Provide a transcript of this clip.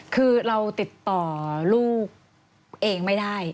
คือเราติดต่อลูกเองไม่ได้